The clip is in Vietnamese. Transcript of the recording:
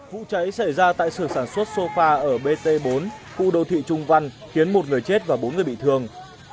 vụ cháy xảy ra tại sưởng sản xuất sofa ở bt bốn khu đô thị trung văn khiến một người chết và bốn người bị thương